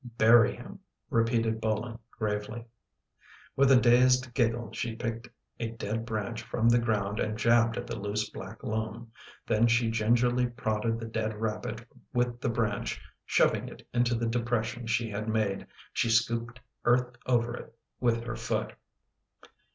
" Bury him," repeated Bolin gravely. With a dazed giggle she picked a dead branch from the ground and jabbed at the loose black loam. Then she gingerly prodded the dead rabbit with the branch, shoving it into the depression she had made. She scooped earth over it with her foot.